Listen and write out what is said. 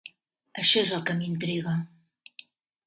Això és el que m"intriga.